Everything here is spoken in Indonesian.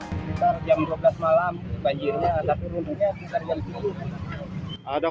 ada korban jiwa nggak pak